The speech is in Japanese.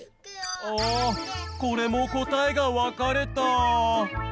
あこれも答えがわかれた。